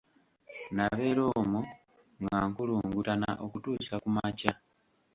Nabeera omwo nga nkulungutana okutuusa ku makya.